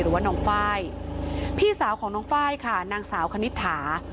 หรือว่าน้องไฟล์พี่สาวของน้องไฟล์ค่ะนางสาวคณิตถา